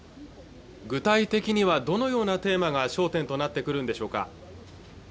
具体的にはどのようなテーマが焦点となってくるんでしょうか